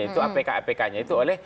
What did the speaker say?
itu apk apknya itu oleh